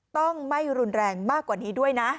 ต้องไม่รุนแรงมากกว่านี้ด้วยนะ